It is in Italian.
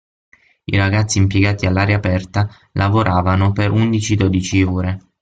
I ragazzi impiegati all'aria aperta lavoravano per undici-dodici ore.